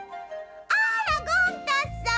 「あらゴン太さん。